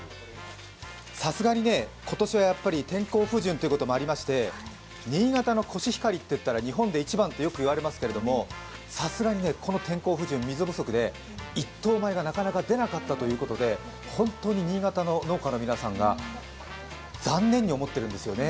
さすがに今年は天候不順ということもありまして新潟のコシヒカリといったら、日本で一番とよく言われますけど、さすがにこの天候不順、水不足で１等米がなかなか出なかったということで本当に新潟の農家の皆さんが残念に思ってるんですよね。